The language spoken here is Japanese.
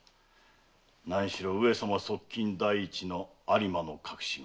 何しろ上様側近第一の有馬の隠し子。